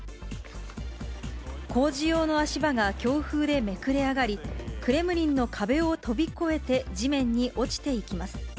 工事用の足場が強風にめくれ上がり、クレムリンの壁を飛び越えて地面に落ちていきます。